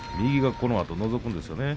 このあと右がのぞくんですよね。